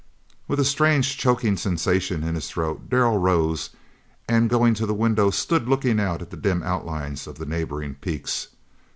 With a strange, choking sensation in his throat Darrell rose, and, going to the window, stood looking out at the dim outlines of the neighboring peaks.